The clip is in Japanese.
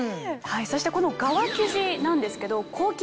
そしてこの側生地なんですけど。